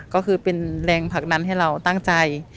ก็คือเป็นแรงผลักดันให้เราตั้งใจ